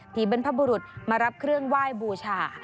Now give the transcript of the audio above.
บรรพบุรุษมารับเครื่องไหว้บูชา